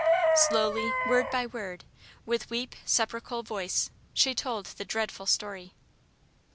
Slowly, word by word, with weak sepulchral voice, she told the dreadful story.